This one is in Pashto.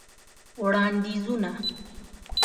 وړاندیزونه :